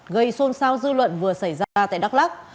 gây xôn xao dư luận vừa xảy ra tại đắk lắc